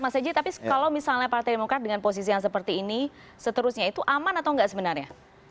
mas eji tapi kalau misalnya partai demokrat dengan posisi yang seperti ini seterusnya itu aman atau enggak sebenarnya